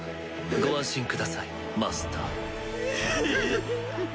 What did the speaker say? ご安心くださいマスター。ヒィ！